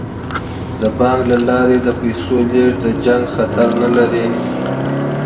د بانک له لارې د پیسو لیږد د جګړې خطر نه لري.